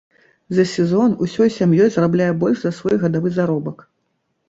За сезон усёй сям'ёй зарабляе больш за свой гадавы заробак.